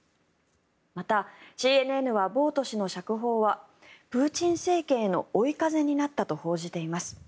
また、ＣＮＮはボウト氏の釈放はプーチン政権への追い風になったと報じています。